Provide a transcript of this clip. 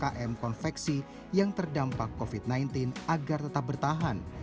umkm konveksi yang terdampak covid sembilan belas agar tetap bertahan